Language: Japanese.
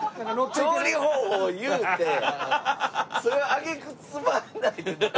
調理方法言うてそれを揚げ句つまんないって何？